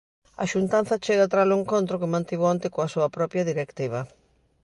A xuntanza chega tras o encontro que mantivo onte coa súa propia directiva.